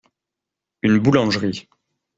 Une boulangerie.